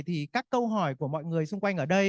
thì các câu hỏi của mọi người xung quanh ở đây